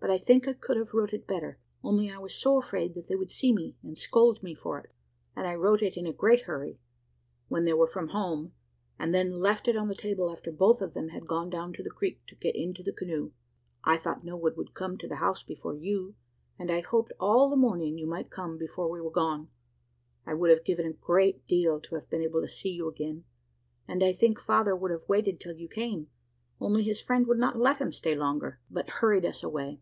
But I think I could have wrote it better, only I was so afraid that they would see me, and scold me for it, and I wrote it in a great hurry, when they were from home, and then left it on the table after both of them had gone down to the creek to get into the canoe. I thought no one would come to the house before you, and I hoped all the morning you might come before we were gone. I would have given a great deal to have been able to see you again; and I think father would have waited till you came, only his friend would not let him stay longer, but hurried us away.